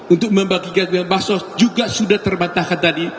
untuk membagikan pihak pihak mbah sos juga sudah terbantahkan tadi